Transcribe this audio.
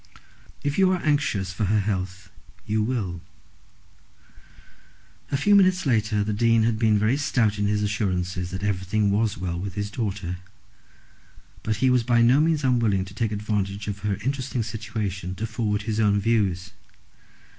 "If you are anxious for her health you will." A few minutes ago the Dean had been very stout in his assurances that everything was well with his daughter, but he was by no means unwilling to take advantage of her interesting situation to forward his own views.